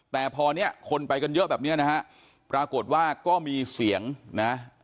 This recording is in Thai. แต่พอเนี้ยคนไปกันเยอะแบบเนี้ยนะฮะปรากฏว่าก็มีเสียงนะ